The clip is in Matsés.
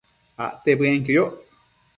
Acte bëenquio yoc